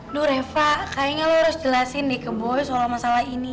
nuh reva kayaknya lo harus jelasin deh ke bo soal masalah ini